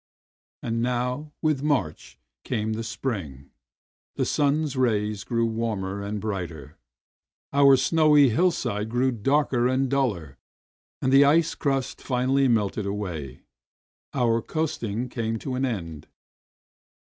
And now, with March, came the spring. The sun's rays grew warmer and brighter. Our snowy hillside grew darker and duller, and the ice crust finally melted away. Our coasting came to an end.